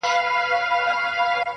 زړه به درکوم ته به یې نه منې٫